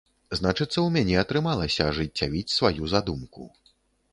Значыцца, у мяне атрымалася ажыццявіць сваю задумку.